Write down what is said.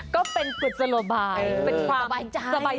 ก็เป็นกฎสโลบายเป็นความสบายใจ